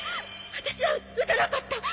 私は撃たなかった！